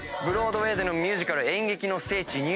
ブロードウェイでのミュージカル演劇の聖地